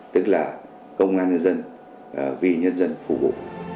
tức là công an nhân dân vì nhân dân phục vụ